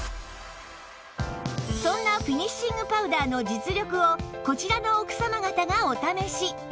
そんなフィニッシングパウダーの実力をこちらの奥様方がお試し